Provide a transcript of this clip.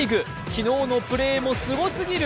昨日のプレーもすごすぎる！